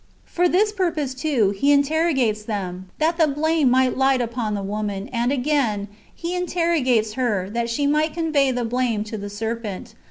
For this purpose, too. He interrogates them, that the blame might light upon the woman ; and again, He interrogates her, that she might convey the blame to the ser pent.